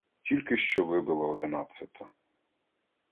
Тільки що вибила одинадцята.